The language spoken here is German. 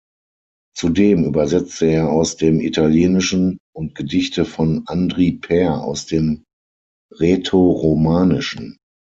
Zudem übersetzte er aus dem Italienischen und Gedichte von Andri Peer aus dem Rätoromanischen.